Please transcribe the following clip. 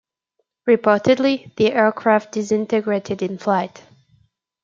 Reportedly, the aircraft disintegrated in flight.